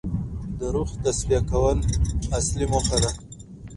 د روح تصفیه کول اصلي موخه ده.